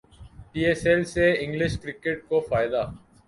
پی S L سے English cricket کو فائدہ